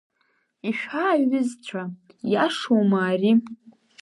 Ишәҳәа аҩызцәа, иашоума ари?